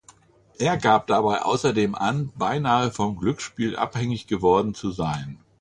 Er gab dabei außerdem an, beinahe vom Glücksspiel abhängig geworden zu sein.